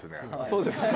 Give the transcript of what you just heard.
そうですね。